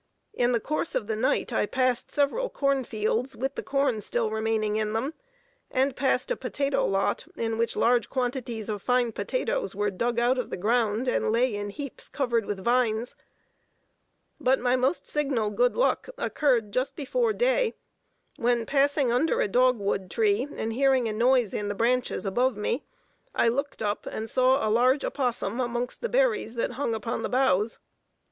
In the course of the night I passed several corn fields, with the corn still remaining in them, and passed a potato lot, in which large quantities of fine potatoes were dug out of the ground and lay in heaps covered with vines; but my most signal good luck occurred just before day, when passing under a dog wood tree, and hearing a noise in the branches above me, I looked up and saw a large opossum amongst the berries that hung upon the boughs.